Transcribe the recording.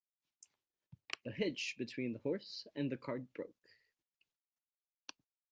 The hitch between the horse and cart broke.